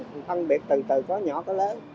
mình phân biệt từ từ có nhỏ có lớn